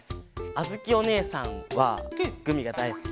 あづきおねえさんはグミがだいすきで。